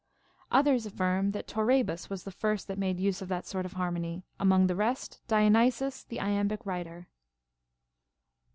Others aihrm, that Torebus was the first that made use of that sort of harmony; among the rest, Dionysius the iambic writer.